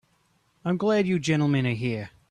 I'm glad you gentlemen are here.